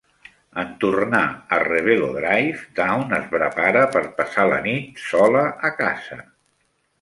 En tornar a Revello Drive, Dawn es prepara per passar la nit sola a casa.